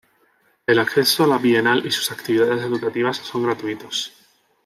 El acceso a la bienal y sus actividades educativas son gratuitos.